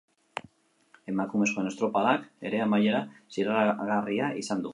Emakumezkoen estropadak ere amaiera zirraragarria izan du.